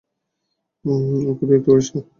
ওকে বিরক্ত করিস না।